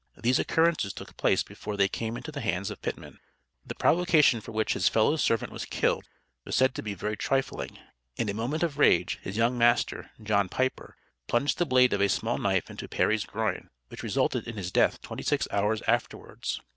These occurrences took place before they came into the hands of Pittman. The provocation for which his fellow servant was killed, was said to be very trifling. In a moment of rage, his young master, John Piper, plunged the blade of a small knife into Perry's groin, which resulted in his death twenty six hours afterwards.